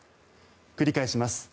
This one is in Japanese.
繰り返します。